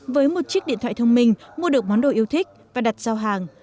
với một chiếc điện thoại thông minh mua được món đồ yêu thích và đặt giao hàng